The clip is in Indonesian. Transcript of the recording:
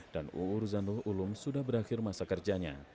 dan uu ruzanul ulum sudah berakhir masa kerjanya